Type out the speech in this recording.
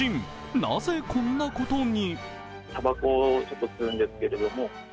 なぜこんなことに？